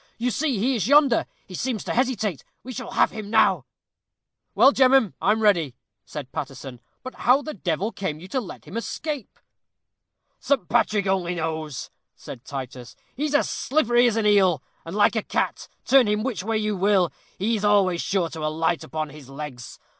You see he is yonder; he seems to hesitate; we shall have him now." "Well, gemmen, I'm ready," said Paterson; "but how the devil came you to let him escape?" "Saint Patrick only knows!" said Titus; "he's as slippery as an eel and, like a cat, turn him which way you will, he is always sure to alight upon his legs.